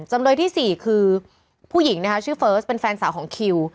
จำเลยที่๔คือผู้หญิงนะคะชื่อเฟิร์สเป็นแฟนสาวของคิว